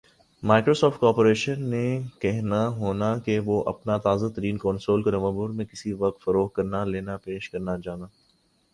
Microsoft corporation نے کہنا ہونا کہ وُہ اپنا تازہ ترین کنسول کو نومبر میں کِسی وقت فروخت کا لینا پیش کرنا گانا